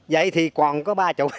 vậy thì còn có ba mươi